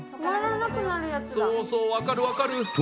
そうそうわかるわかる！